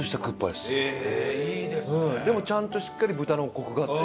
でもちゃんとしっかり豚のコクがあって。